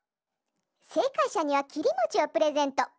せいかいしゃにはきりもちをプレゼント。